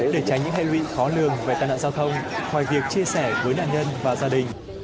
để tránh những hệ lụy khó lường về tai nạn giao thông ngoài việc chia sẻ với nạn nhân và gia đình